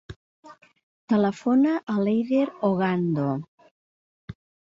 Telefona a l'Eider Ogando.